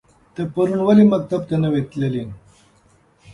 ته پرون ولی مکتب ته نه وی تللی؟